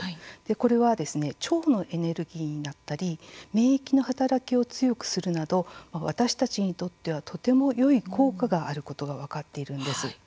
これは腸のエネルギーになったり免疫の働きを強くするなど私たちにとってはとてもよい効果があることが分かっているんです。